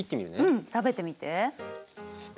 うん食べてみて。